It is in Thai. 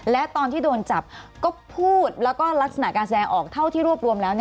และตอนที่โดนจับก็พูดแล้วก็ลักษณะการแสดงออกเท่าที่รวบรวมแล้ว